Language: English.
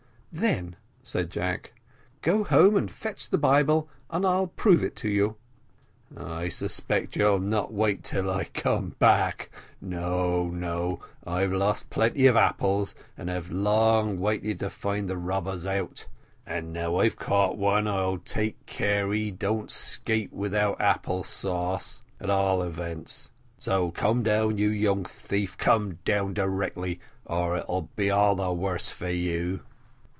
"Then," said Jack, "go home and fetch the Bible, and I'll prove it to you." "I suspect you'll not wait till I come back again. No, no; I have lost plenty of apples, and have long wanted to find the robbers out; now I've caught one I'll take care that he don't 'scape without apple sauce, at all events so come down, you young thief, come down directly or it will be all the worse for you."